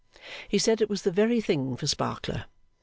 He said it was the very thing for Sparkler.